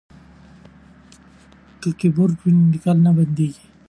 که کیبورډ وي نو لیکل نه بندیږي.